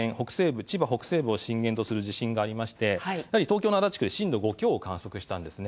千葉北西部を震源とする地震があり東京の足立区で震度５強を観測したんですね。